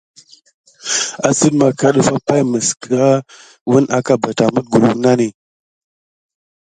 Əsseŋ makra ɗəfa pay nis kiraya wuna aka banamite kulu nani.